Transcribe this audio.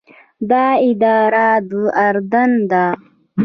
دا اداره د اردن ده.